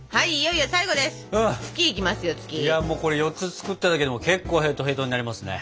いやもうこれ４つ作っただけでも結構へとへとになりますね。